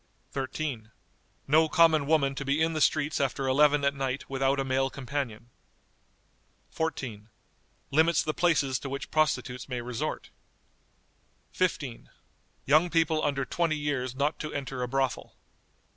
"13. No common woman to be in the streets after eleven at night without a male companion." 14. Limits the places to which prostitutes may resort. "15. Young people, under twenty years, not to enter a brothel."